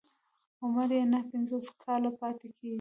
عمر يې نهه پنځوس کاله پاتې کېږي.